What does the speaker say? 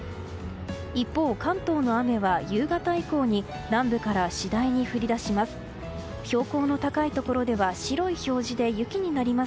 一方、関東の雨は、夕方以降に南部から次第に降り出します。